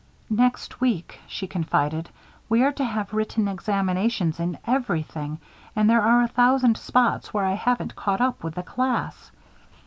"Next week," she confided, "we are to have written examinations in everything and there are a thousand spots where I haven't caught up with the class.